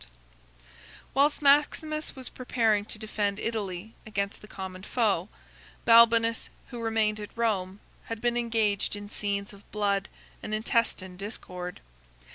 ] Whilst Maximus was preparing to defend Italy against the common foe, Balbinus, who remained at Rome, had been engaged in scenes of blood and intestine discord.